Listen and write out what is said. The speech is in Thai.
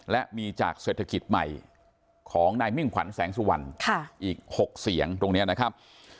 และมีจากเศรษฐกิจใหม่ของนายมิ่งขวัญแสงสุวรรณอีก๖เสียงตรงนี้นะครับ